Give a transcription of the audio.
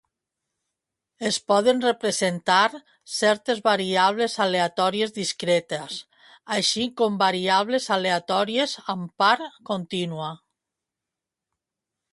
Es poden representar certes variables aleatòries discretes així com variables aleatòries amb part contínua